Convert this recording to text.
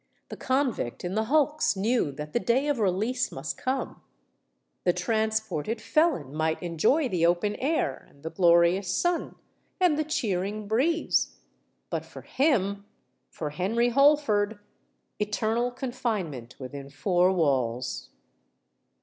The convict in the hulks knew that the day of release must come—the transported felon might enjoy the open air, and the glorious sun, and the cheering breeze:—but for him—for Henry Holford—eternal confinement within four walls!